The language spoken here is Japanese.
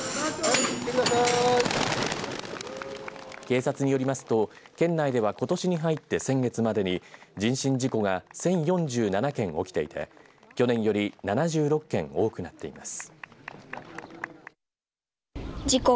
警察によりますと県内ではことしに入って先月までに人身事故が１０４７件起きていて去年より７６件多くなっています。